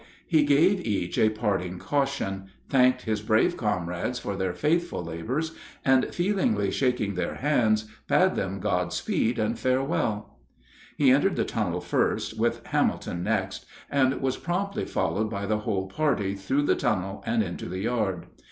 He gave each a parting caution, thanked his brave comrades for their faithful labors, and, feelingly shaking their hands, bade them God speed and farewell. He entered the tunnel first, with Hamilton next, and was promptly followed by the whole party through the tunnel and into the yard.